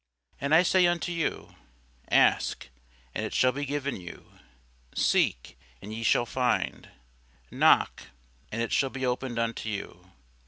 And I say unto you, Ask, and it shall be given you; seek, and ye shall find; knock, and it shall be opened unto you.